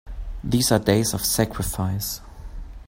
These are days of sacrifice!